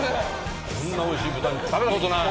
こんなおいしい豚肉食べたことない。